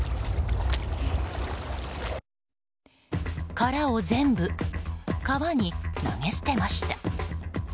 殻を全部、川に投げ捨てました。